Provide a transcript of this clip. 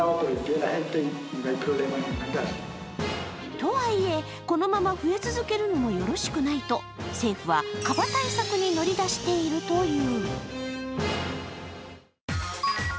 とはいえ、このまま増え続けるのもよろしくないと政府はカバ対策に乗り出しているという。